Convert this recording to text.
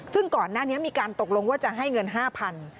ซึ่งก่อนหน้านี้มีการตกลงว่าจะให้เงิน๕๐๐บาท